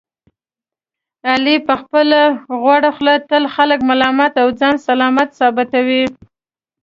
علي په خپله غوړه خوله تل خلک ملامت او ځان سلامت ثابتوي.